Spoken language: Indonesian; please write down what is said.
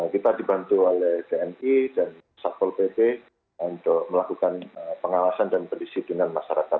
kita dibantu oleh gni dan sakpol pt untuk melakukan pengawasan dan pendisiplinan masyarakat